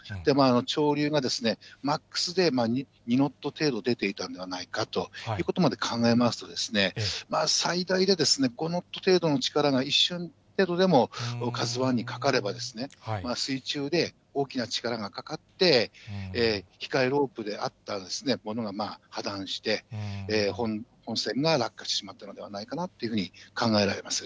潮流がマックスで２ノット程度出ていたんではないかということまで考えますと、最大でこの程度の力が、一瞬程度でも、ＫＡＺＵＩにかかれば、水中で大きな力がかかって控えロープであったものが破断して、本船が落下してしまったのではないかなというふうに考えられます。